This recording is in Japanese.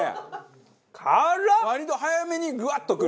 割と早めにグワッとくる！